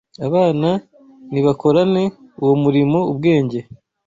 Abana nibakorane uwo murimo ubwenge.